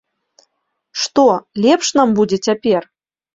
Што, лепш нам будзе цяпер?